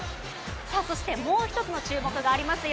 そして、もう１つの注目がありますよ。